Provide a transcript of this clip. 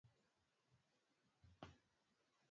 Ata sijui anafanya nini hapa